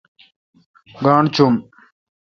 گاݨڈ چوم۔